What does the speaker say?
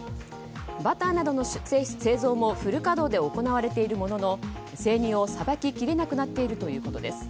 バターなどの製造もフル稼働で行われているものの生乳をさばききれなくなっているということです。